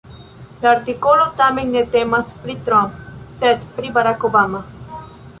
La artikolo tamen ne temas pri Trump, sed pri Barack Obama.